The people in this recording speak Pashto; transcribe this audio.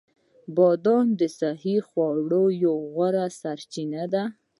بادام د صحي خوړو یوه غوره سرچینه ده.